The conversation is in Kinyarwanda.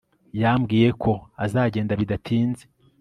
Yambwiye ko azagenda bidatinze